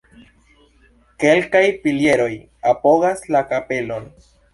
Kelkaj pilieroj apogas la kapelon.